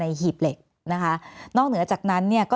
แอนตาซินเยลโรคกระเพาะอาหารท้องอืดจุกเสียดแสบร้อน